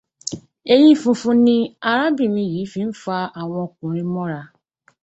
Eyín funfun ni arábìnrin yìí fi ń fa àwọn ọkùnrin mọ́ra